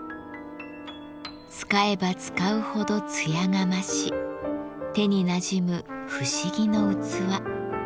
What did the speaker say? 使えば使うほど艶が増し手になじむ不思議の器。